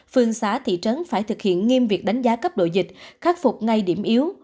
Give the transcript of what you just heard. phường xã thị trấn phải thực hiện nghiêm việc đánh giá cấp độ dịch khắc phục ngay điểm yếu